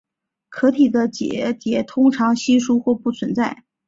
壳体的结节通常稀疏或不存在。